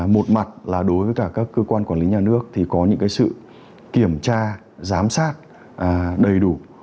một mặt là đối với cả các cơ quan quản lý nhà nước thì có những sự kiểm tra giám sát đầy đủ